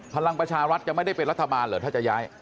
พลังประชารัฐจะไม่ได้เป็นรัฐบาลเหรอถ้าจะย้าย